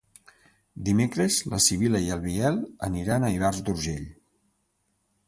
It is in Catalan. Dimecres na Sibil·la i en Biel aniran a Ivars d'Urgell.